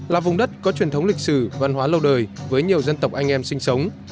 là vùng đất có truyền thống lịch sử văn hóa lâu đời với nhiều dân tộc anh em sinh sống